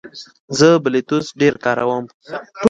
زه بلوتوث ډېر کاروم.